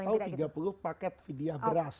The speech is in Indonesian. atau tiga puluh paket vidya beras